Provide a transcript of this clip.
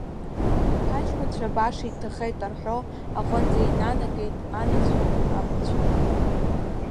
Ҳаҷкәынцәа баша иҭахеит рҳәо аҟынӡа инанагеит анацәа, абацәа.